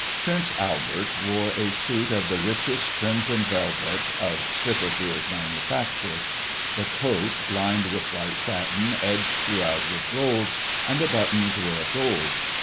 Prince Albert wore a suit of the richest crimson velvet Digiti ized by Google 268 GOSSIP. [184s (of Spitalfields manufacture) ; the coat lined with white satin, edged throughout with gold ; and the buttons were of gold.